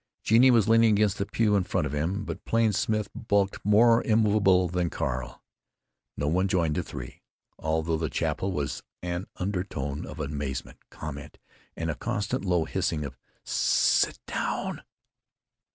Genie was leaning against the pew in front of him, but Plain Smith bulked more immovable than Carl. No one joined the three. All through the chapel was an undertone of amazed comment and a constant low hissing of, "Sssssit down!"